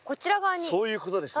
そういうことですね。